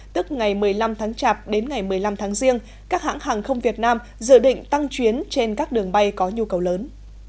tức ngày một mươi năm tháng chạp đến ngày một mươi năm tháng riêng các hãng hàng không việt nam dự định tăng chuyến trên các đường bay có nhu cầu lớn